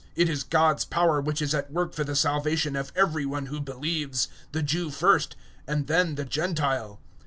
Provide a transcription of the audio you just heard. It is God's power which is at work for the salvation of every one who believes the Jew first, and then the Gentile.